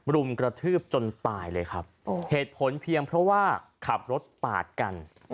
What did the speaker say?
รุมกระทืบจนตายเลยครับเหตุผลเพียงเพราะว่าขับรถปาดกัน